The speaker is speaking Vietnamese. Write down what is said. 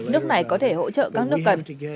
nước này có thể hỗ trợ các nước cần